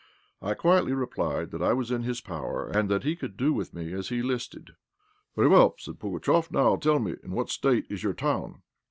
I quietly replied that I was in his power, and that he could do with me as he listed. "Very well," said Pugatchéf; "now tell me in what state is your town?"